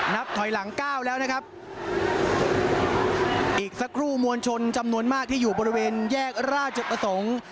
นับถอยหลังเก้าแล้วนะครับอีกสักครู่มวลชนจำนวนมากที่อยู่บริเวณแยกราชประสงค์